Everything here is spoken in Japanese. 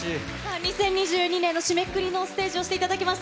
２０２２年の締めくくりのステージをしていただきました。